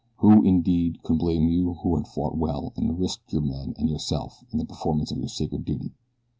Who, indeed, could blame you who had fought well and risked your men and yourself in the performance of your sacred duty?